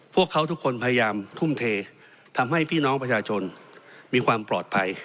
พวกเขาทุกคนพยายามทุ่มเททำให้พี่น้องประชาชนมีความปลอดภัย